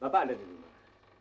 bapak ada di rumah